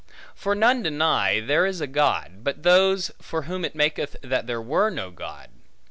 For none deny, there is a God, but those, for whom it maketh that there were no God.